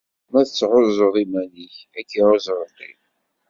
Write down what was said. Ma tɛuzzeḍ iman-ik, ad k-iɛuzz Ṛebbi.